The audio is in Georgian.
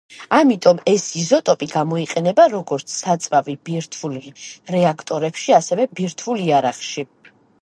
ამიტომ ეს იზოტოპი გამოიყენება როგორც საწვავი ბირთვულ რეაქტორებში, ასევე ბირთვულ იარაღში.